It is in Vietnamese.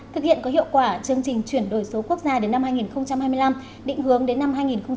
thực hiện có hiệu quả chương trình chuyển đổi số quốc gia đến năm hai nghìn hai mươi năm định hướng đến năm hai nghìn ba mươi